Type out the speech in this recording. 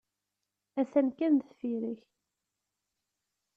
Atan kan deffir-k.